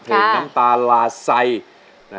เพลงน้ำตาลาไซย